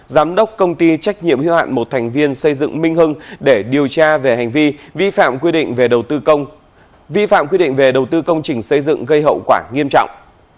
giám đốc công ty trách nhiệm hiệu hạn một thành viên xây dựng minh hưng để điều tra về hành vi vi phạm quy định về đầu tư công trình xây dựng gây hậu quả nghiêm trọng